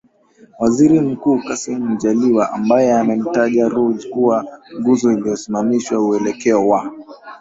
Waziri Mkuu Kassim Majaliwa ambaye amemtaja Ruge kuwa nguzo iliyosimamisha uelekeo wa